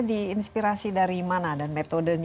diinspirasi dari mana dan metodenya